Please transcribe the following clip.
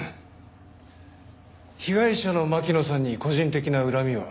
被害者の巻乃さんに個人的な恨みは？